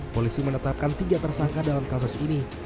polisi menetapkan tiga tersangka dalam kasus ini